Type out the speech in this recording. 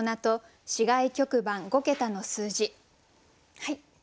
はい。